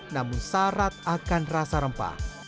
namun syarat akan rasa rempah